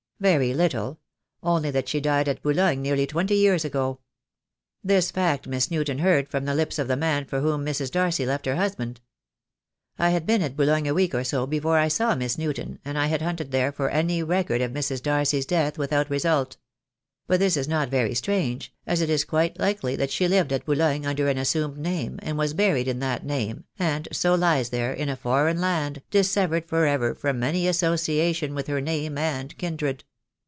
"Very little — only that she died at Boulogne nearly twenty years ago. This fact Miss Newton heard from the lips of the man for whom Mrs. Darcy left her husband. I had been at Boulogne a week or so before I saw Miss Newton, and I had hunted there for any record of Mrs. Darcy's death, without result. But this is not very strange, as it is quite likely that she lived at Boulogne under an assumed name, and was buried in that name, and so lies there, in a foreign land, dissevered for ever from any association with her name and kindred."